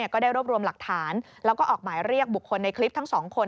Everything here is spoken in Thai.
ก็ได้รวบรวมหลักฐานแล้วก็ออกหมายเรียกบุคคลในคลิปทั้งสองคน